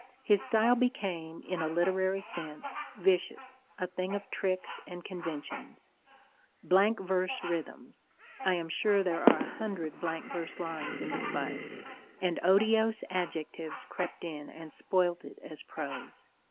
His style became, in a literary sense, vicious, a thing of tricks and conventions: blank verse rhythms I am sure there are a hundred blank verse lines in the play and otiose adjectives crept in and spoilt it as prose.